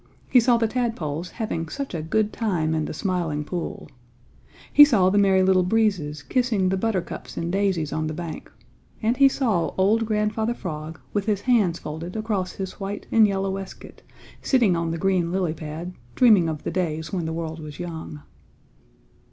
He saw the tadpoles having such a good time in the Smiling Pool. He saw the Merry Little Breezes kissing the buttercups and daisies on the bank, and he saw old Grandfather Frog with his hands folded across his white, and yellow waistcoat sitting on the green lily pad, dreaming of the days when the world was young.